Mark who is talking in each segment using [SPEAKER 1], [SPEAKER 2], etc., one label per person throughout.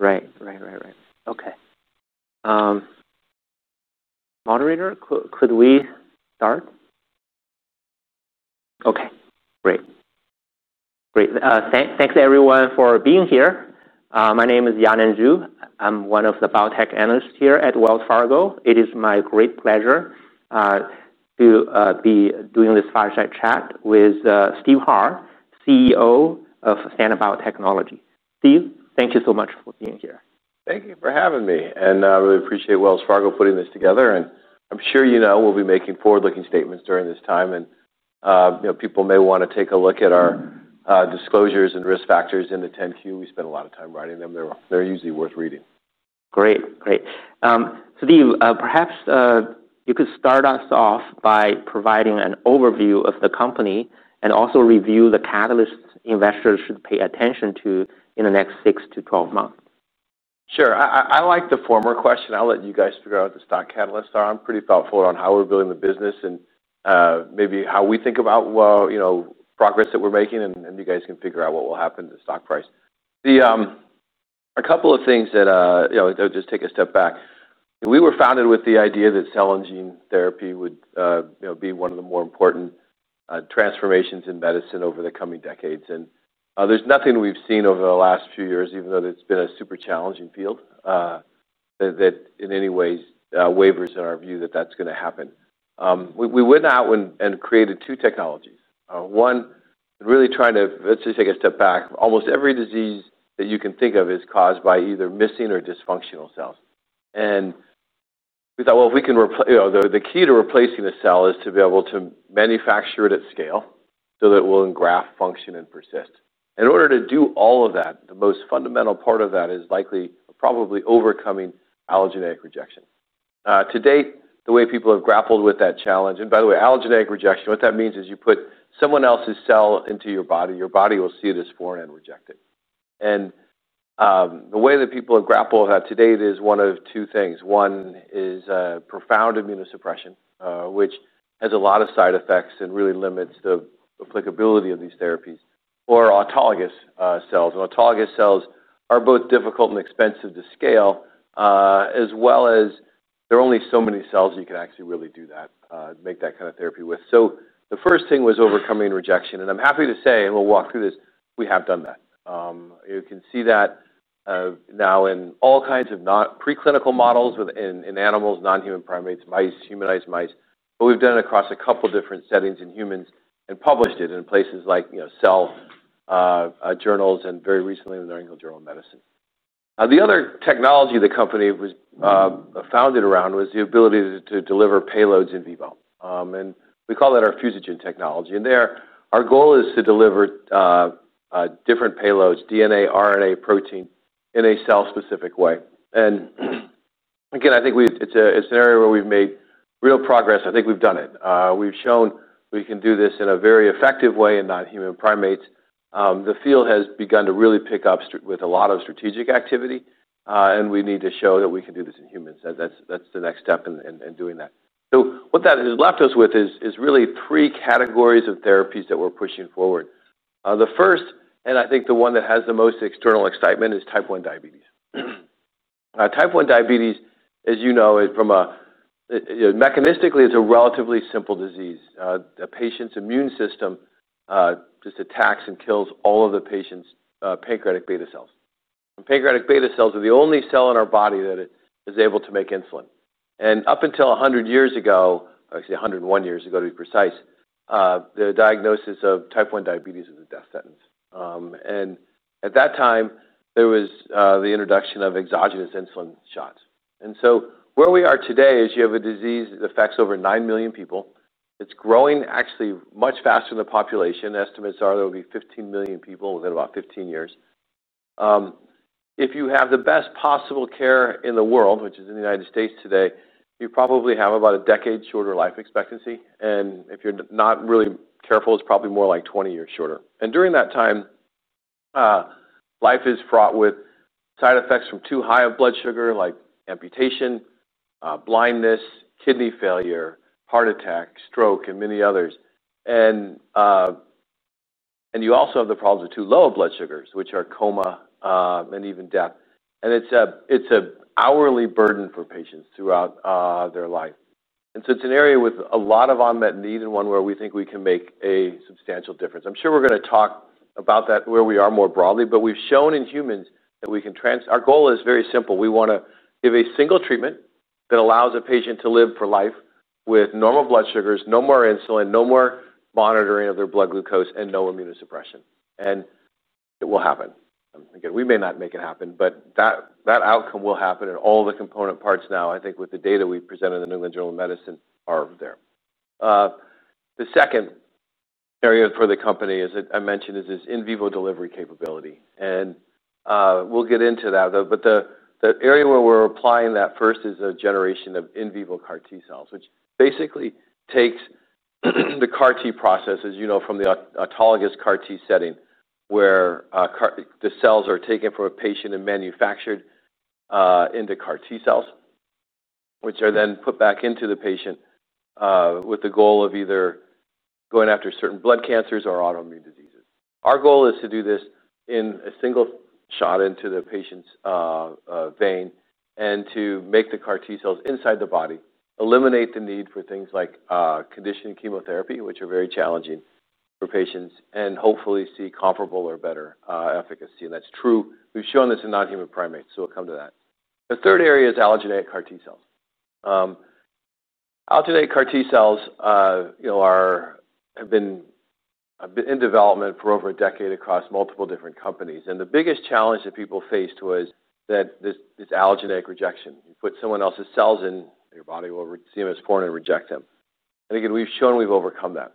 [SPEAKER 1] late.
[SPEAKER 2] Right. Right. Right. Right. Okay. Moderator, could we start? Okay. Great. Great. Thanks, everyone, for being here. My name is Yanan Zhu. I'm one of the biotech analysts here at Wells Fargo. It is my great pleasure to be doing this fireside chat with Steve Haar, CEO of StandAbout Technology. Steve, thank you so much for being here.
[SPEAKER 1] Thank you for having me, and I really appreciate Wells Fargo putting this together. And I'm sure you know we'll be making forward looking statements during this time, and people may want to take a look at our disclosures and risk factors in the 10 Q. We spent a lot of time writing them. They're usually worth reading.
[SPEAKER 2] Great. Great. So, Steve, perhaps you could start us off by providing an overview of the company and also review the catalysts investors should pay attention to in the next six to twelve months.
[SPEAKER 1] Sure. I like the former question. I'll let you guys figure out what the stock catalysts are. I'm pretty thoughtful on how we're building the business and maybe how we think about progress that we're making, and you guys can figure out what will happen to the stock price. A couple of things that I'll just take a step back. We were founded with the idea that cell and gene therapy would be one of the more important transformations in medicine over the coming decades. And there's nothing we've seen over the last few years, even though it's been a super challenging field, that in any ways wavers in our view that that's going to happen. We went out and created two technologies. One, really trying to, let's just take a step back, almost every disease that you can think of is caused by either missing or dysfunctional cells. And we thought, the key to replacing a cell is to be able to manufacture it at scale so that it will engraft function and persist. In order to do all of that, the most fundamental part of that is likely, probably overcoming allogeneic rejection. To date, the way people have grappled with that challenge, and by the way, allogeneic rejection, what that means is you put someone else's cell into your body, your body will see it as foreign and reject it. And the way that people have grappled with that today is one of two things. One is profound immunosuppression, which has a lot of side effects and really limits the applicability of these therapies, or autologous cells. Autologous cells are both difficult and expensive to scale, as well as are only so many cells you can actually really do that, make that kind of therapy with. So the first thing was overcoming rejection. And I'm happy to say, and we'll walk through this, we have done that. You can see that now in all kinds of preclinical models in animals, nonhuman primates, mice, humanized mice. But we've done it across a couple of different settings in humans and published it in places like CELF journals, and very recently the New England Journal of Medicine. The other technology the company was founded around was the ability to deliver payloads in vivo. And we call that our fusagen technology. And there, our goal is to deliver different payloads, DNA, RNA, protein, in a cell specific way. And again, think it's an area where we've made real progress. I think we've done it. We've shown we can do this in a very effective way in non human primates. The field has begun to really pick up with a lot of strategic activity, and we need to show that we can do this in humans. That's the next step in doing that. So what that has left us with is really three categories of therapies that we're pushing forward. The first, and I think the one that has the most external excitement, is type one diabetes. Type one diabetes, as you know, mechanistically is a relatively simple disease. A patient's immune system just attacks and kills all of the patient's pancreatic beta cells. Pancreatic beta cells are the only cell in our body that is able to make insulin. And up until a hundred years ago, actually a hundred and one years ago to be precise, the diagnosis of type one diabetes is a death sentence. And at that time there was the introduction of exogenous insulin shots. And so where we are today is you have a disease that affects over nine million people. It's growing actually much faster than the population. Estimates are there will be fifteen million people within about fifteen years. If you have the best possible care in the world, which is in The United States today, you probably have about a decade shorter life expectancy. And if you're not really careful, it's probably more like twenty years shorter. And during that time, life is fraught with side effects from too high of blood sugar like amputation, blindness, kidney failure, heart attack, stroke, and many others. And you also have the problems with too low blood sugars, which are coma and even death. And it's a it's a hourly burden for patients throughout their life. And so it's an area with a lot of unmet needs and one where we think we can make a substantial difference. I'm sure we're gonna talk about that where we are more broadly, but we've shown in humans that we can trans our goal is very simple. We want to give a single treatment that allows a patient to live for life with normal blood sugars, no more insulin, no more monitoring of their blood glucose, and no immunosuppression. And it will happen. We may not make it happen, but that outcome will happen and all the component parts now, I think with the data we presented in the England Journal of Medicine are there. The second area for the company, as I mentioned, is this in vivo delivery capability. And we'll get into that, but the area where we're applying that first is the generation of in vivo CAR T cells, basically takes the CAR T process, as you know, from the autologous CAR T setting where the cells are taken from a patient and manufactured into CAR T cells, which are then put back into the patient with the goal of either going after certain blood cancers or autoimmune diseases. Our goal is to do this in a single shot into the patient's vein and to make the CAR T cells inside the body, eliminate the need for things like conditioned chemotherapy, which are very challenging for patients, and hopefully see comparable or better efficacy. And that's true, we've shown this in non human primates, so we'll come to that. The third area is allogeneic CAR T cells. Allogeneic CAR T cells have been in development for over a decade across multiple different companies. And the biggest challenge that people faced was that this this allogeneic rejection. You put someone else's cells in your body over CMS-four and reject them. And again, we've shown we've overcome that.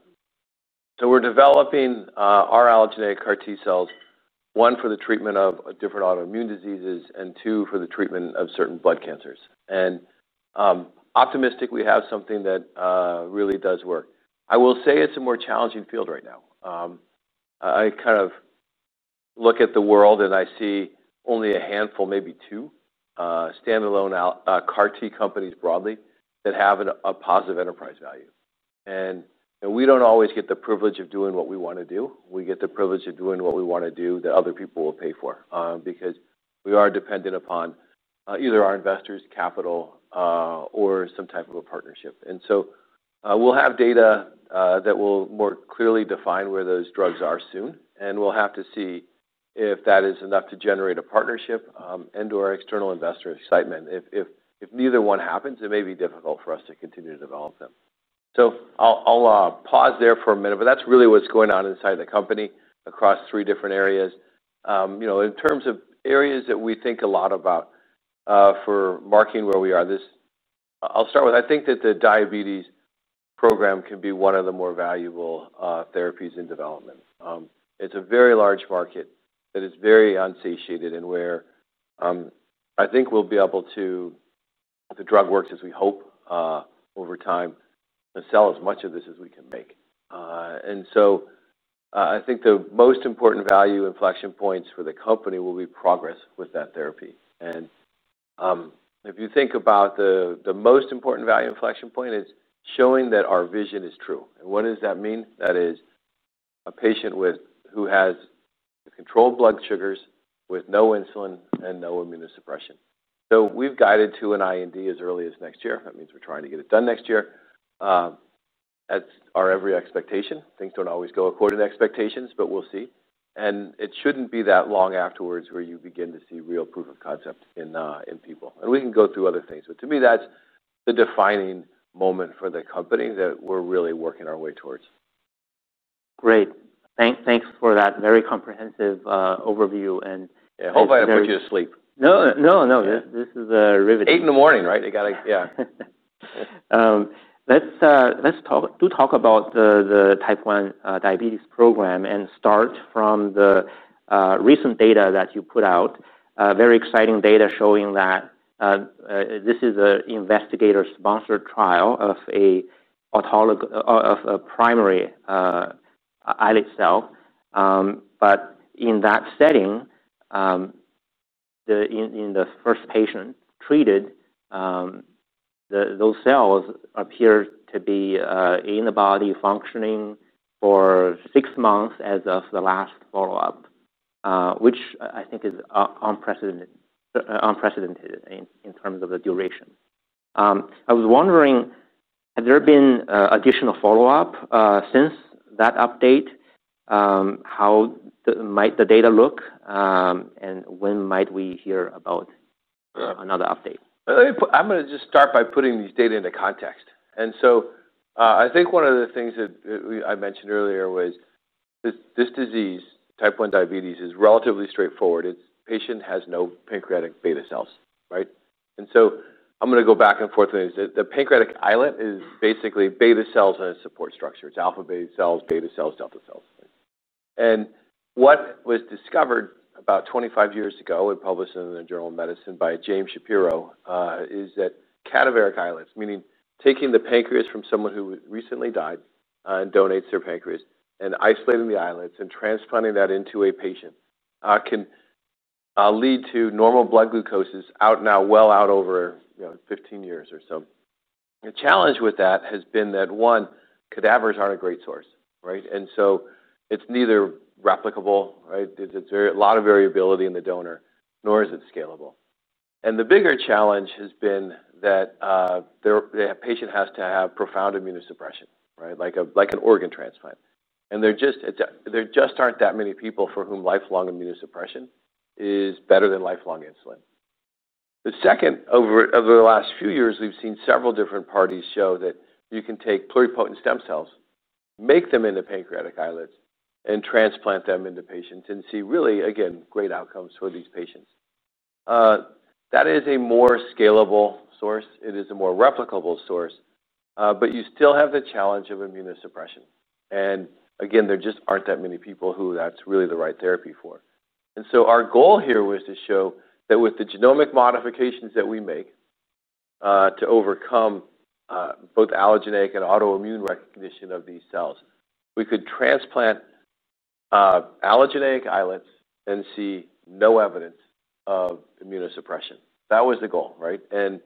[SPEAKER 1] So we're developing our allogeneic CAR T cells, one for the treatment of different autoimmune diseases, and two for the treatment of certain blood cancers. And optimistic we have something that really does work. I will say it's a more challenging field right now. I kind of look at the world and I see only a handful, maybe two, stand alone CAR T companies broadly that have a positive enterprise value. And and we don't always get the privilege of doing what we wanna do. We get the privilege of doing what we wanna do that other people will pay for because we are dependent upon either our investors' capital or some type of a partnership. And so we'll have data that will more clearly define where those drugs are soon, and we'll have to see if that is enough to generate a partnership and or external investor excitement. If if if neither one happens, it may be difficult for us to continue to develop them. So I'll pause there for a minute, but that's really what's going on inside the company across three different areas. You know, in terms of areas that we think a lot about for marking where we are, this I'll start with I think that the diabetes program can be one of the more valuable therapies in development. It's a very large market that is very unsatiated and where I think we'll be able to the drug works as we hope over time, to sell as much of this as we can make. And so I think the most important value inflection points for the company will be progress with that therapy. If you think about the most important value inflection point, it's showing that our vision is true. And what does that mean? That is a patient with who has controlled blood sugars with no insulin and no immunosuppression. So we've guided to an IND as early as next year. That means we're trying to get it done next year. That's our every expectation. Things don't always go according to expectations, but we'll see. And it shouldn't be that long afterwards where you begin to see real proof of concept in people. And we can go through other things. But to me, that's the defining moment for the company that we're really working our way towards.
[SPEAKER 2] Great. Thanks thanks for that very comprehensive overview. And
[SPEAKER 1] Yeah. Hope I didn't put you to sleep.
[SPEAKER 2] No. No. No. This is a riveting.
[SPEAKER 1] Eight in the morning. Right? They gotta yeah.
[SPEAKER 2] Let's do talk about the type one diabetes program and start from the recent data that you put out. Very exciting data showing that this is an investigator sponsored trial of a primary islet cell. But in that setting, in the first patient treated, those cells appear to be in the body functioning for six months as of the last follow-up, which I think is unprecedented in terms of the duration. I was wondering, has there been additional follow-up since that update? How might the data look? And when might we hear about another update?
[SPEAKER 1] I'm going just start by putting these data into context. And so I think one of the things that I mentioned earlier was this disease, type one diabetes, is relatively straightforward. The patient has no pancreatic beta cells. Right? And so I'm going go back and forth. Pancreatic islet is basically beta cells in a support structure. It's alpha beta cells, beta cells, delta cells. And what was discovered about twenty five years ago and published in the Journal of Medicine by James Shapiro, is that cadaveric islets, meaning taking the pancreas from someone who recently died and donates their pancreas and isolating the islets and transplanting that into a patient can lead to normal blood glucose out now, well out over fifteen years or so. The challenge with that has been that one, cadavers aren't a great source. Right? And so it's neither replicable, right? There's a lot of variability in the donor, nor is it scalable. And the bigger challenge has been that the patient has to have profound immunosuppression, right, like an organ transplant. And there just aren't that many people for whom lifelong immunosuppression is better than lifelong insulin. The second, over the last few years, we've seen several different parties show that you can take pluripotent stem cells, make them into pancreatic islets, and transplant them into patients and see really, again, great outcomes for these patients. That is a more scalable source. It is a more replicable source, but you still have the challenge of immunosuppression. And again, there just aren't that many people who that's really the right therapy for. And so our goal here was to show that with the genomic modifications that we make to overcome both allogeneic and autoimmune recognition of these cells, we could transplant allogeneic islets and see no evidence of immunosuppression. That was the goal. Right? And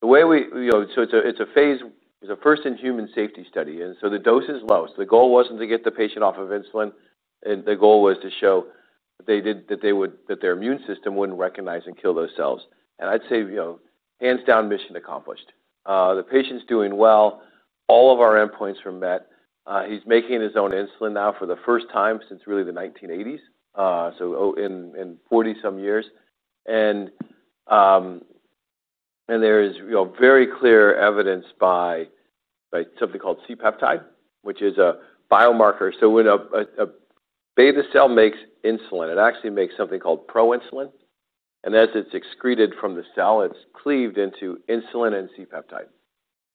[SPEAKER 1] the way we you know, so it's a it's a phase it's a first in human safety study, and so the dose is low. So the goal wasn't to get the patient off of insulin, and the goal was to show that they did that they would that their immune system wouldn't recognize and kill those cells. And I'd say, you know, hands down mission accomplished. The patient's doing well, all of our endpoints are met. He's making his own insulin now for the first time since really the nineteen eighties, so in forty some years. And there is very clear evidence by something called c peptide, which is a biomarker. So when a beta cell makes insulin, it actually makes something called proinsulin. And as it's excreted from the cell, it's cleaved into insulin and c peptide.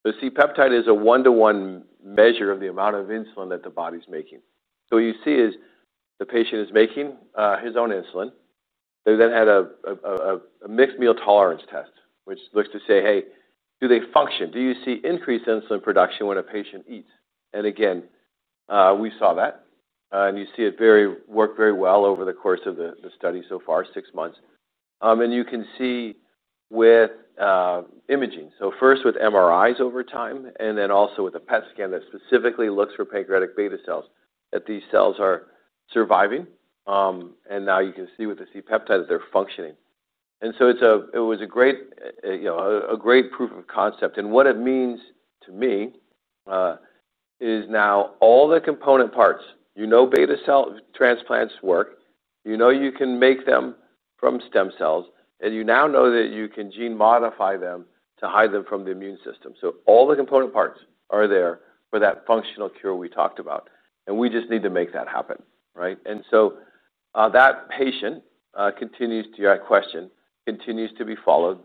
[SPEAKER 1] The c peptide is a one to one measure of the amount of insulin that the body is making. So you see is the patient is making his own insulin. They then had a mixed meal tolerance test, which looks to say, hey, do they function? Do you see increased insulin production when a patient eats? And again, we saw that, and you see it worked very well over the course of the study so far, six months. And you can see with imaging. So first with MRIs over time and then also with a PET scan that specifically looks for pancreatic beta cells that these cells are surviving. And now you can see with the c peptides, they're functioning. And so it's a it was a great, you know, a great proof of concept. And what it means to me is now all the component parts, you know beta cell transplants work, you know you can make them from stem cells, and you now know that you can gene modify them to hide them from the immune system. So all the component parts are there for that functional cure we talked about, and we just need to make that happen. Right? And so that patient continues to question continues to be followed.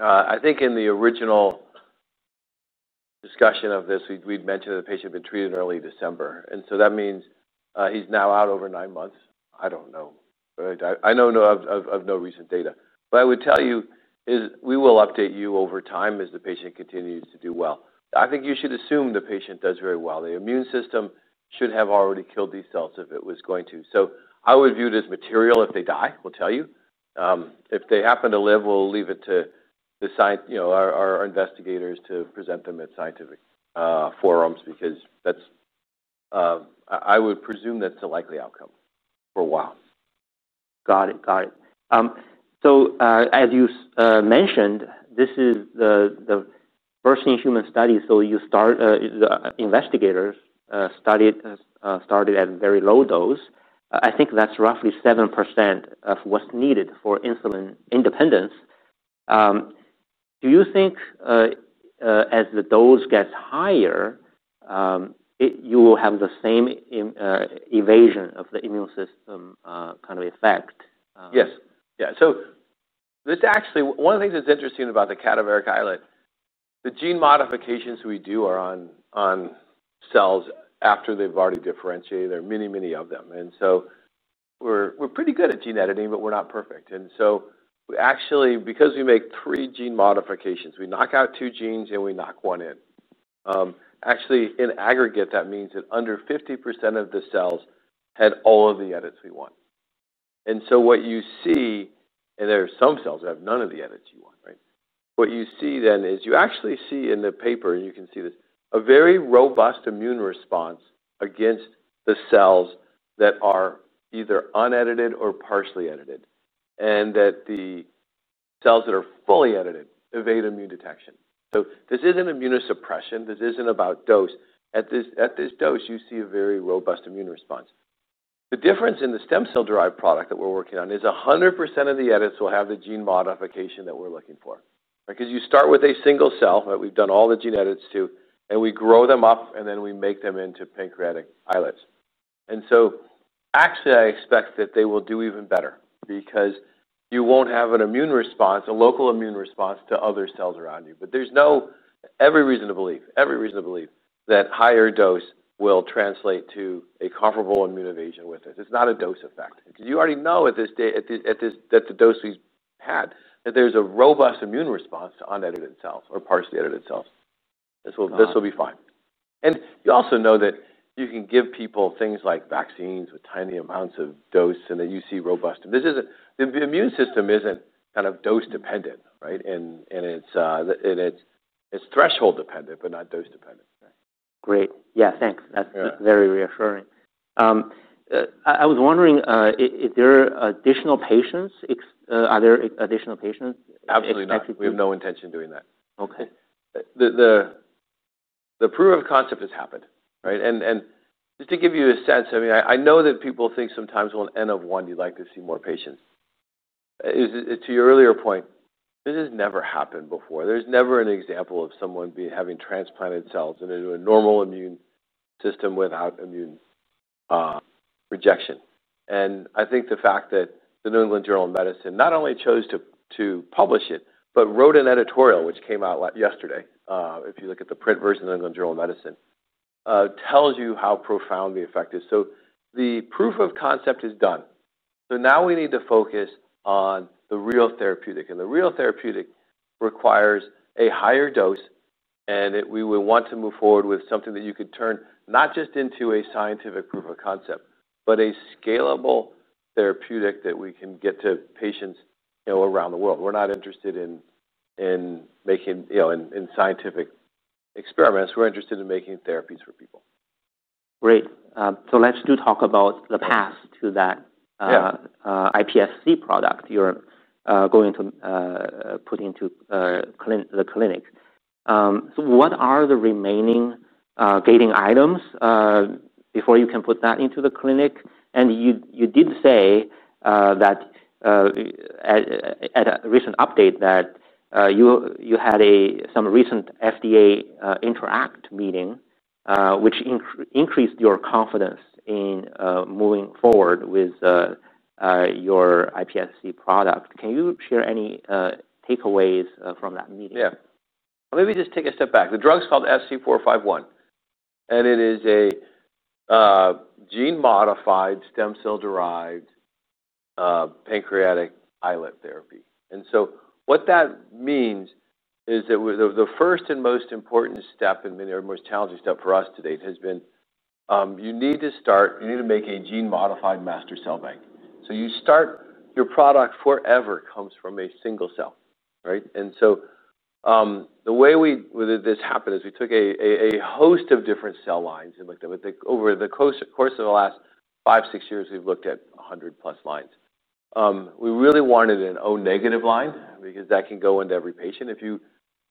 [SPEAKER 1] I think in the original discussion of this, we'd mentioned that the patient had been treated in early December, and so that means he's now out over nine months. I don't know. But I I know of of no recent data. But I would tell you is we will update you over time as the patient continues to do well. I think you should assume the patient does very well. The immune system should have already killed these cells if it was going to. So I would view this material if they die, we'll tell you. If they happen to live, we'll leave it to our investigators to present them at scientific forums because I would presume that's a likely outcome for a while.
[SPEAKER 2] Got it. Got it. So as you mentioned, this is the first in human study. So you start the investigators studied, started at very low dose. I think that's roughly seven percent of what's needed for insulin independence. Do you think as the dose gets higher, you will have the same invasion of the immune system kind of effect?
[SPEAKER 1] Yes. Yeah. So this actually one of the things that's interesting about the cadaveric islet, the gene modifications we do are on on cells after they've already differentiated. There are many, of them. And so we're we're pretty good at gene editing, but we're not perfect. And so we actually because we make three gene modifications, we knock out two genes and we knock one in. Actually, in aggregate, that means that under 50% of the cells had all of the edits we want. And so what you see and there are some cells that have none of the edits you want. Right? What you see then is you actually see in the paper, you can see this, a very robust immune response against the cells that are either unedited or partially edited, and that the cells that are fully edited evade immune detection. So this isn't immunosuppression. This isn't about dose. At this at this dose, you see a very robust immune response. The difference in the stem cell derived product that we're working on is a 100 of the edits will have the gene modification that we're looking for. Because you start with a single cell, right, we've done all the gene edits to, and we grow them up and then we make them into pancreatic islets. And so actually, I expect that they will do even better because you won't have an immune response, a local immune response to other cells around you. But there's no every reason to believe, every reason to believe that higher dose will translate to a comparable immune evasion with this. It's not a dose effect. You already know that the dose we've had that there's a robust immune response to unedited cells or partially edited cells. Will this will be fine. And you also know that you can give people things like vaccines with tiny amounts of dose and that you see robust this isn't the immune system isn't kind of dose dependent. Right? And and it's and it's it's threshold dependent, but not dose dependent.
[SPEAKER 2] Yeah. Thanks. That's reassuring. I was wondering, there are additional patients, are there additional patients? Absolutely not.
[SPEAKER 1] We have no intention doing that. Okay. The the proof of concept has happened. Right? And and just to give you a sense, I mean, I I know that people think sometimes with n of one, you'd like to see more patients. To your earlier point, this has never happened before. There's never an example of someone having transplanted cells into a normal immune system without immune rejection. And I think the fact that the New England Journal of Medicine not only chose to publish it, but wrote an editorial which came out yesterday, if you look at the print version of the New England Journal of Medicine, tells you how profound the effect is. So the proof of concept is done. So now we need to focus on the real therapeutic. And the real therapeutic requires a higher dose, and we would want to move forward with something that you could turn not just into a scientific proof of concept, but a scalable therapeutic that we can get to patients, you know, around the world. We're not interested in in making, you know, in in scientific experiments. We're interested in making therapies for people.
[SPEAKER 2] Great. So let's do talk about the path to that iPSC product you're going to put into the clinic. So what are the remaining gating items before you can put that into the clinic? And you did say, that at a recent update that, you had some recent FDA, interact meeting, which increased your confidence in, moving forward with, your iPSC product. Can you share any takeaways from that meeting?
[SPEAKER 1] Yeah. Let me just take a step back. The drug is called SC451, and it is a gene modified stem cell derived pancreatic islet therapy. And so what that means is that the first and most important step, and maybe the most challenging step for us to date has been you need to start, you need to make a gene modified master cell bank. So you start your product forever, comes from a single cell. Right? And so the way we this happened is we took a a host of different cell lines and looked over the course course of the last five, six years, we've looked at a 100 plus lines. We really wanted an o negative line because that can go into every patient. If you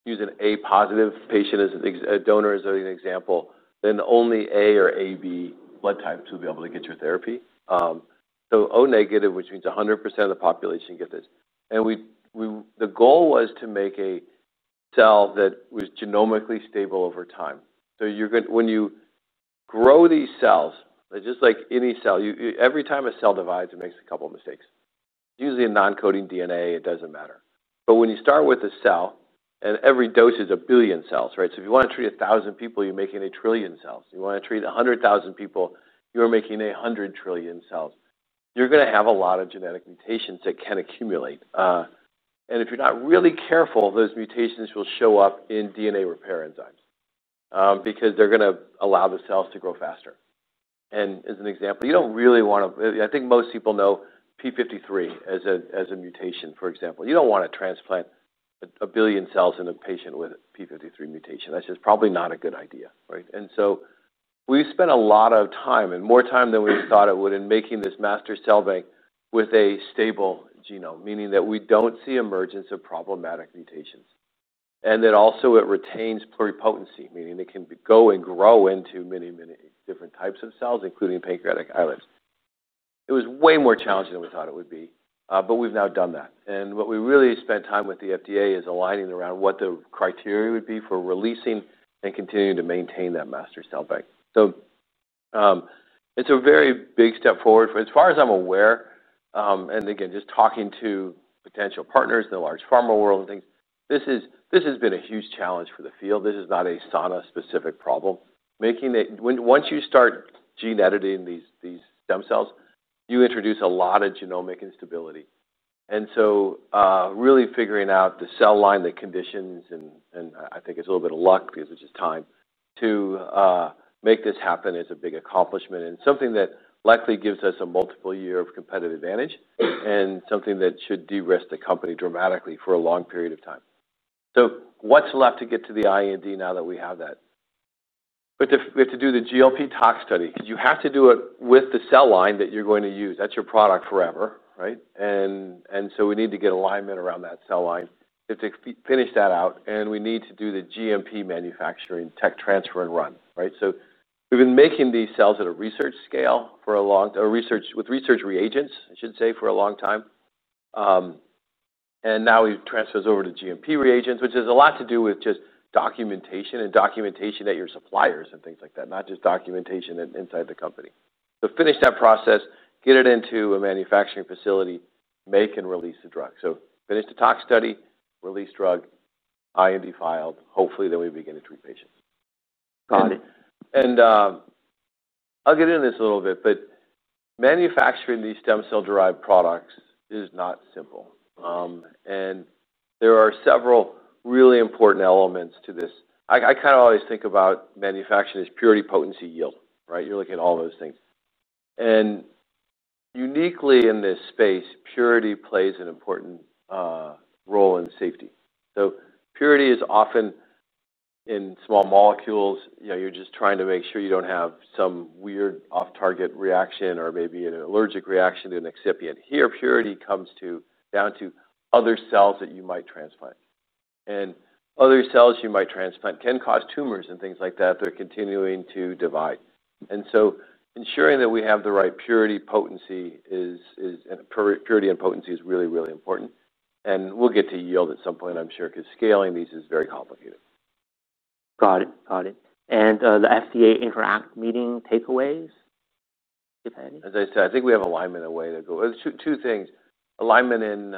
[SPEAKER 1] use an a positive patient as a donor as an example, then only a or a b blood types will be able to get your therapy. So o negative, which means a hundred percent of the population get this. And we we the goal was to make a cell that was genomically stable over time. So you're gonna when you grow these cells, just like any cell, you you every time a cell divides, it makes a couple of mistakes. Usually a non coding DNA, it doesn't matter. But when you start with a cell, and every dose is a billion cells. Right? So if you wanna treat a thousand people, you're making a trillion cells. You want to treat a 100,000 people, you're making a 100,000,000,000,000 cells. You're gonna have a lot of genetic mutations that can accumulate. And if you're not really careful, those mutations will show up in DNA repair enzymes because they're gonna allow the cells to grow faster. And as an example, you don't really wanna I think most people know p fifty three as a mutation, for example. You don't wanna transplant a billion cells in a patient with p fifty three mutation. That's just probably not a good idea. Right? And so we spent a lot of time and more time than we thought it would in making this master cell bank with a stable genome, meaning that we don't see emergence of problematic mutations. And then also it retains pluripotency, meaning it can go and grow into many many different types of cells, including pancreatic islets. It was way more challenging than we thought it would be, but we've now done that. And what we really spent time with the FDA is aligning around what the criteria would be for releasing and continuing to maintain that master cell bank. So it's a very big step forward. As far as I'm aware, and again, just talking to potential partners in the large pharma world and things, has been a huge challenge for the field. This is not a SANA specific problem. Making it once you start gene editing these these stem cells, you introduce a lot of genomic instability. And so really figuring out the cell line, the conditions, and and I think it's a little bit of luck because it's just time to make this happen is a big accomplishment and something that likely gives us a multiple year of competitive advantage and something that should derisk the company dramatically for a long period of time. So what's left to get to the IND now that we have that? We to do the GLP tox study. You have to do it with the cell line that you're going to use. That's your product forever. Right? And and so we need to get alignment around that cell line. We have to finish that out, and we need to do the GMP manufacturing, tech transfer, and run. Right? So we've been making these cells at a research scale for a long or research with research reagents, I should say, for a long time. And now we've transferred over to GMP reagents, which has a lot to do with just documentation and documentation at your suppliers and things like that, not just documentation in inside the company. So finish that process, get it into a manufacturing facility, make and release the drug. So finish the tox study, release drug, IND filed, hopefully, then we'll begin to treat patients.
[SPEAKER 2] Got it.
[SPEAKER 1] And I'll get into this a little bit, but manufacturing these stem cell derived products is not simple. And there are several really important elements to this. I kinda always think about manufacturing as purity potency yield. Right? You're looking at all those things. And uniquely in this space, purity plays an important role in safety. So purity is often in small molecules, you know, you're just trying to make sure you don't have some weird off target reaction or maybe an allergic reaction to an excipient. Here purity comes down to other cells that you might transplant. And other cells you might transplant can cause tumors and things like that, they're continuing to divide. And so ensuring that we have the right purity and potency is really really important. And we'll get to yield at some point, I'm sure, because scaling these is very complicated.
[SPEAKER 2] Got it. Got it. And the FDA interact meeting takeaways, if any?
[SPEAKER 1] As I said, I think we have alignment a way to go. Two two things. Alignment in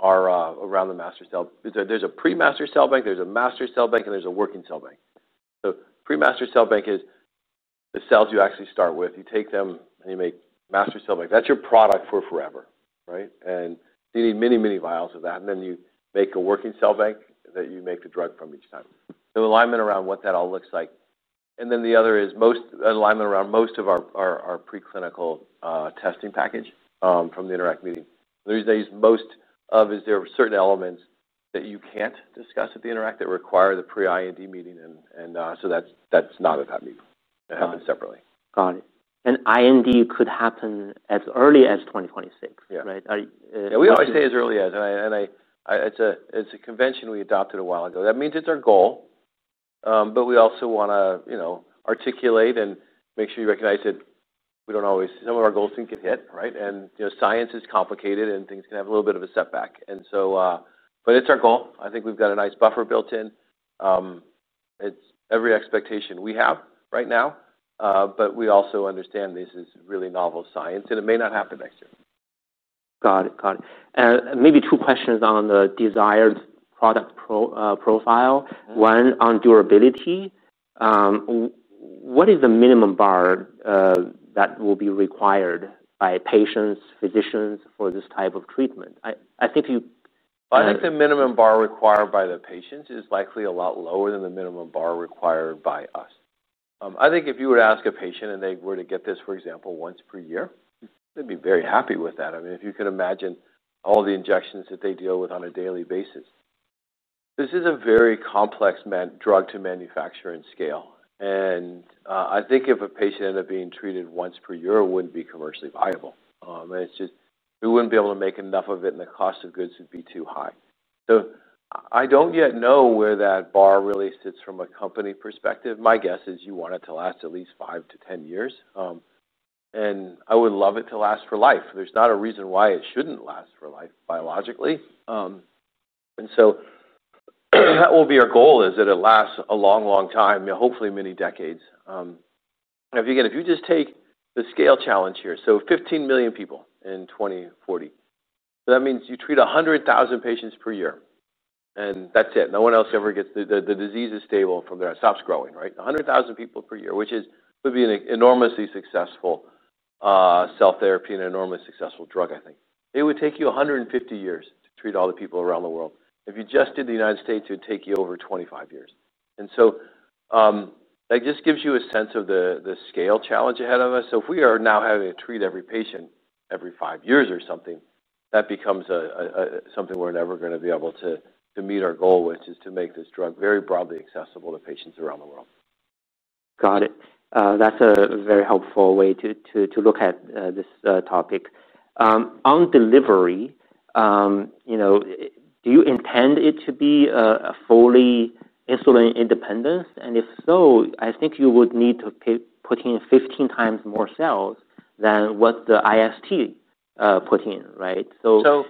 [SPEAKER 1] our around the master cell. There's a there's a pre master cell bank, there's a master cell bank, and there's a working cell bank. So pre master cell bank is the cells you actually start with. You take them, and you make master cell bank. That's your product for forever. Right? And you need many, many vials of that, and then you make a working cell bank that you make the drug from each time. So alignment around what that all looks like. And then the other is most alignment around most of our our our preclinical testing package from the Interact meeting. These days, most of is there are certain elements that you can't discuss at the Interact that require the pre IND meeting and and so that's that's not what happened. It happened separately.
[SPEAKER 2] Got it. And IND could happen as early as 2026.
[SPEAKER 1] Yeah. Right? I We always say as early as and and I I it's a it's a convention we adopted a while ago. That means it's our goal, but we also wanna, you know, articulate and make sure you recognize that we don't always some of our goals can get hit. Right? And, you know, science is complicated and things can have a little bit of a setback. And so but it's our goal. I think we've got a nice buffer built in. It's every expectation we have right now, but we also understand this is really novel science, and it may not happen next year.
[SPEAKER 2] Got it. Got it. And maybe two questions on the desired product pro, profile. One on durability. What is the minimum bar, that will be required by patients, physicians for this type of treatment? I I think you
[SPEAKER 1] I think the minimum bar required by the patients is likely a lot lower than the minimum bar required by us. I think if you were to ask a patient and they were to get this for example once per year, they'd be very happy with that. I mean if you could imagine all the injections that they deal with on a daily basis. This is a very complex drug to manufacture and scale. And I think if a patient ended up being treated once per year, it wouldn't be commercially viable. It's just, we wouldn't be able to make enough of it and the cost of goods would be too high. So I don't yet know where that bar really sits from a company perspective. My guess is you want it to last at least five to ten years. And I would love it to last for life. There's not a reason why it shouldn't last for life biologically. And so that will be our goal is that it lasts a long long time, hopefully many decades. If you just take the scale challenge here, so 15,000,000 people in 02/1940, that means you treat a hundred thousand patients per year, and that's it. No one else ever gets the disease is stable from there. Stops growing. Right? A hundred thousand people per year, which would be an enormously successful cell therapy and an enormously successful drug, I think. It would take you a hundred and fifty years to treat all the people around the world. If you just did The United States, it would take you over twenty five years. And so that just gives you a sense of the scale challenge ahead of us. So if we are now having to treat every patient every five years or something, that becomes something we're never going to be able to meet our goal, which is to make this drug very broadly accessible to patients around the world.
[SPEAKER 2] Got it. That's a very helpful way to look at this topic. On delivery, you know, do you intend it to be a fully insulin independent? And if so, I think you would need to put in 15 times more cells than what the IST, put in. Right?
[SPEAKER 1] So So,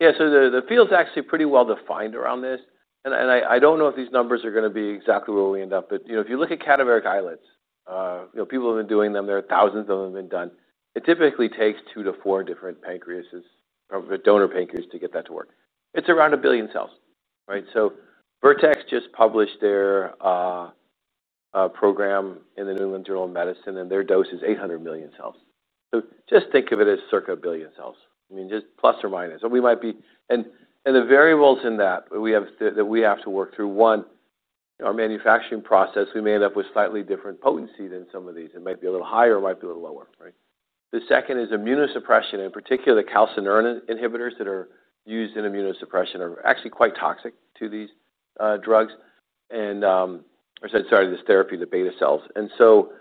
[SPEAKER 1] yeah, so the the field is actually pretty well defined around this. And and I I don't know if these numbers are gonna be exactly where we end up. But, you know, if you look at cadaveric islets, you know, people have been doing them. There are thousands of them have been done. It typically takes two to four different pancreases of the donor pancreas to get that to work. It's around a billion cells. Right? So Vertex just published their program in the New England Journal of Medicine, and their dose is eight hundred million cells. So just think of it as circa billion cells. I mean, just plus or minus. And we might be and and the variables in that that have to work through, one, our manufacturing process, we may end up with slightly different potency than some of these. It might be a little higher or might be a little lower. Right? The second is immunosuppression, in particular the calcineurin inhibitors that are used in immunosuppression are actually quite toxic to these drugs, and sorry, this therapy, the beta cells. And so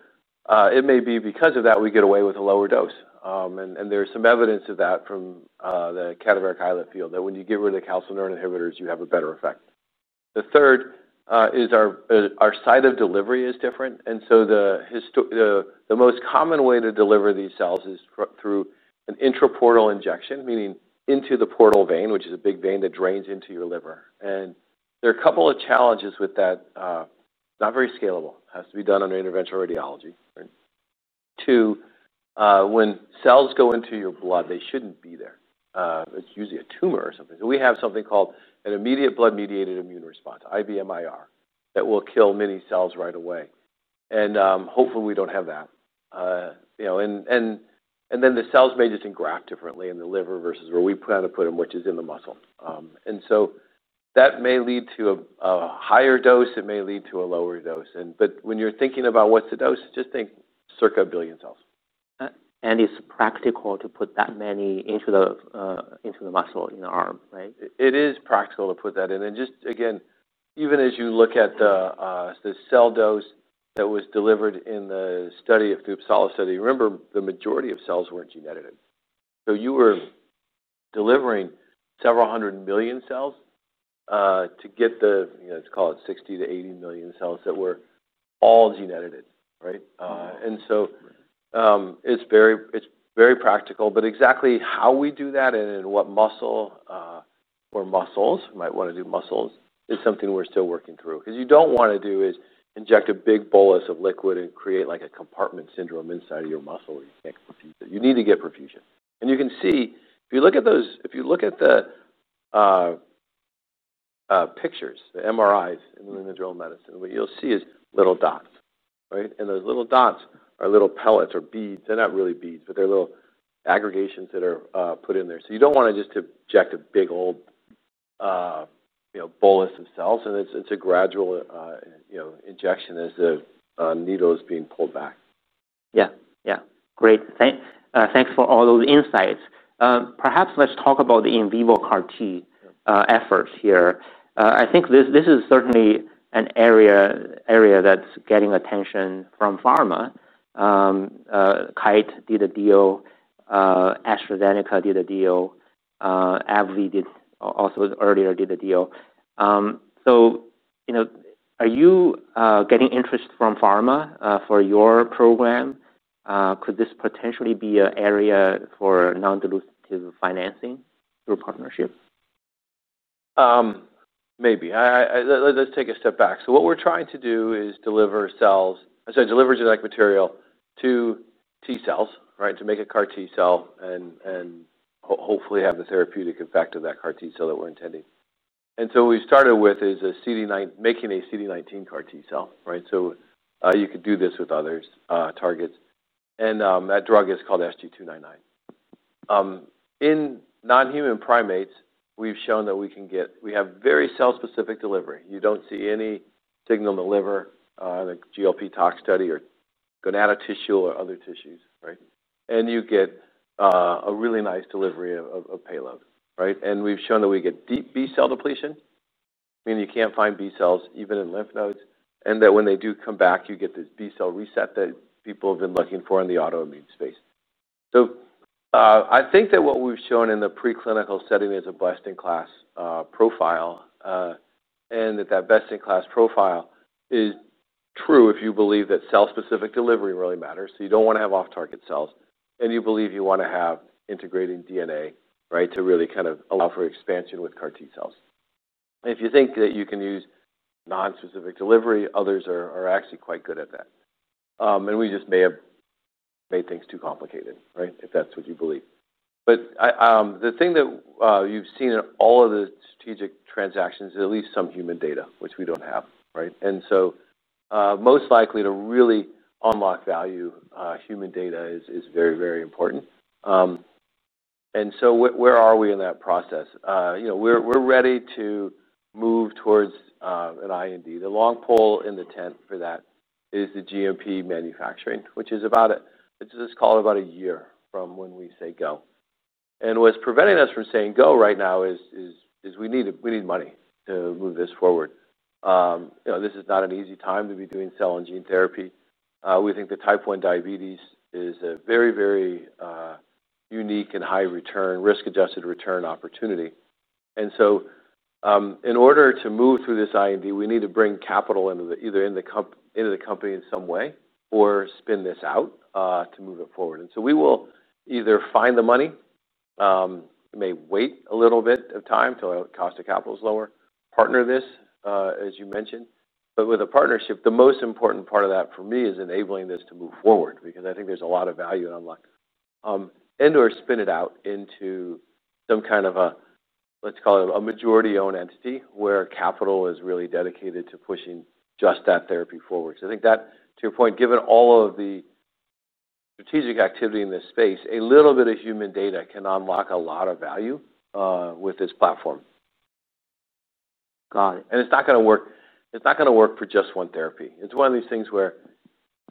[SPEAKER 1] it may be because of that we get away with a lower dose. And there's some evidence of that from the cadaveric islet field that when you give rid of the calcineurin inhibitors, have a better effect. The third is our site of delivery is different and so the most common way to deliver these cells is through an intraportal injection, meaning into the portal vein, which is a big vein that drains into your liver. And there are a couple of challenges with that, not very scalable, has to be done under interventional radiology. Two, when cells go into your blood, they shouldn't be there. It's usually a tumor or something. So we have something called an immediate blood mediated immune response, IBMIR, that will kill many cells right away. And hopefully we don't have that. You know, and and and then the cells may just engraft differently in the liver versus where we plan to put them, which is in the muscle. And so that may lead to a higher dose, it may lead to a lower dose. But when you're thinking about what's the dose, just think circa a billion cells. And it's practical to put that many into the the muscle in the arm. Right? It is practical to put that in. And just again, even as you look at the cell dose that was delivered in the study of the Uppsala study, remember the majority of cells were gene edited. So you were delivering several 100,000,000 cells to get the, you know, let's call it 60 to 80,000,000 cells that were all gene edited. Right? And so it's very it's very practical, but exactly how we do that and in what muscle or muscles, might wanna do muscles, is something we're still working through. Because you don't wanna do is inject a big bolus of liquid and create like a compartment syndrome inside of your muscle. You need to get perfusion. And you can see, if you look at those if you look at the pictures, the MRIs in the limb of drill medicine, what you'll see is little dots. Right? And those little dots are little pellets or beads. They're not really beads, but they're little aggregations that are put in there. So you don't want to just object a big old bolus of cells and it's a gradual injection as the needle is being pulled back.
[SPEAKER 2] Yeah. Yeah. Great. Thanks for all those insights. Perhaps let's talk about the in vivo CAR T efforts here. I think this is certainly an area that's getting attention from pharma. Kite did a deal. AstraZeneca did a deal. AbbVie did also earlier did a deal. So, you know, are you getting interest from pharma for your program? Could this potentially be an area for non dilutive financing through partnership?
[SPEAKER 1] Maybe. Let's take a step back. So what we're trying to do is deliver cells, I said deliver genetic material to T cells, right, to make a CAR T cell and hopefully have the therapeutic effect of that CAR T cell that we're intending. And so we started with making a CD 19 CAR T cell, right? So you could do this with other targets, and that drug is called SG299. In non human primates, we've shown that we can get we have very cell specific delivery. You don't see any signal in the liver, GLP tox study or gonadal tissue or other tissues. Right? And you get a really nice delivery of payload. Right? And we've shown that we get deep b cell depletion. I mean, you can't find b cells even in lymph nodes. And that when they do come back, you get this b cell reset that people have been looking for in the autoimmune space. So I think that what we've shown in the preclinical setting is a best in class profile, and that that best in class profile is true if you believe that cell specific delivery really matters. So you don't want to have off target cells, and you believe you want to have integrating DNA, right, to really kind of offer expansion with CAR T cells. And if you think that you can use non specific delivery, others are actually quite good at that. And we just may have made things too complicated. Right? If that's what you believe. But the thing that you've seen in all of the strategic transactions is at least some human data, which we don't have. Right? And so most likely to really unlock value, human data is is very, very important. And so where are we in that process? You know, we're we're ready to move towards an IND. The long pole in the tent for that is the GMP manufacturing, which is about a let's just call it about a year from when we say go. And what's preventing us from saying go right now is is is we need we need money to move this forward. This is not an easy time to be doing cell and gene therapy. We think that type one diabetes is a very very unique and high return, risk adjusted return opportunity. And so in order to move through this IND, we need to bring capital into the either in the comp into the company in some way or spin this out to move it forward. And so we will either find the money, may wait a little bit of time till our cost of capital is lower, partner this as you mentioned. But with a partnership, the most important part of that for me is enabling this to move forward because I think there's a lot of value in our life. And or spin it out into some kind of a, let's call it, a majority owned entity where capital is really dedicated to pushing just that therapy forward. So I think that, to your point, given all of the strategic activity in this space, a little bit of human data can unlock a lot of value with this platform.
[SPEAKER 2] Got it.
[SPEAKER 1] And it's not gonna work it's not gonna work for just one therapy. It's one of these things where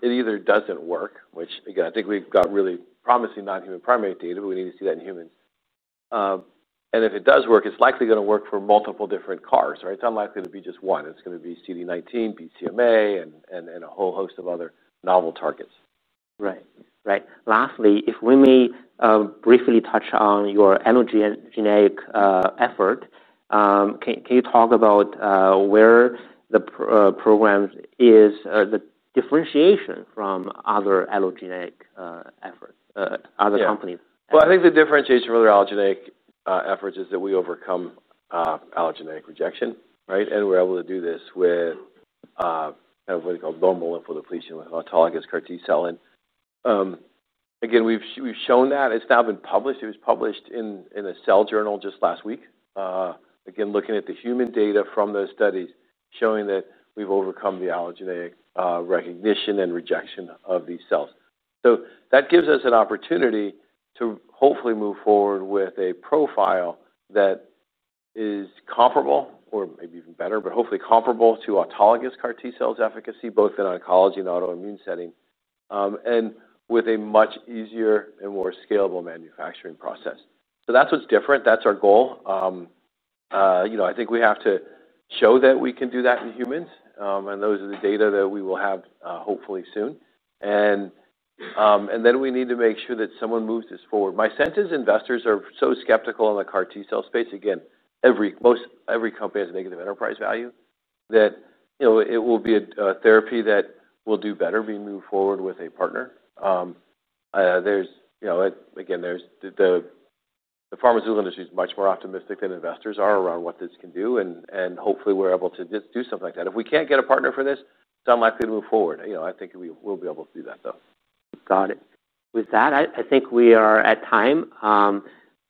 [SPEAKER 1] it either doesn't work, which again, think we've got really promising non human primary data, we need to see that in humans. And if it does work, it's likely going to work for multiple different CARs. It's unlikely to be just one. It's going to be CD19, BCMA, and a whole host of other novel targets.
[SPEAKER 2] Right. Right. Lastly, if we may briefly touch on your allogeneic effort, can you talk about where the programs is the differentiation from other allogeneic efforts, other companies?
[SPEAKER 1] I think the differentiation of other allogeneic efforts is that we overcome allogeneic rejection. Right? And we're able to do this with we call bone lymphodepletion with autologous CAR T cell. Again, we've shown that. It's now been published. It was published in a cell journal just last week. Again, looking at the human data from those studies showing that we've overcome the allogeneic recognition and rejection of these cells. So that gives us an opportunity to hopefully move forward with a profile that is comparable, or maybe even better, but hopefully comparable to autologous CAR T cells efficacy both in oncology and autoimmune setting, and with a much easier and more scalable manufacturing process. So that's what's different. That's our goal. You know, I think we have to show that we can do that in humans, and those are the data that we will have hopefully soon. And then we need to make sure that someone moves this forward. My sense is investors are so skeptical on the CAR T cell space. Again, every most every company has negative enterprise value that, you know, it will be a therapy that will do better. We move forward with a partner. There's, you know, again, there's the pharmaceutical industry is much more optimistic than investors are around what this can do. And and hopefully we're able to just do something like that. If we can't get a partner for this, it's unlikely to move forward. You know, I think we will be able to do that though.
[SPEAKER 2] Got it. With that, I think we are out of time.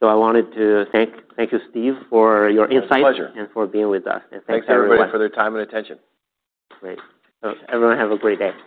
[SPEAKER 2] So I wanted to thank you Steve for your insight and for being with us.
[SPEAKER 1] Thanks everybody for their time and attention.
[SPEAKER 2] Great. Everyone have a great day.